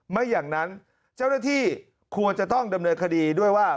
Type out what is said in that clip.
ไม่อย่างนั้นเจ้าหน้าที่ควรจะต้องดำเนินคดีด้วยว่า